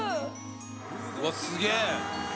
うわっすげえ！